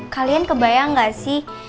kalian kebayang gak sih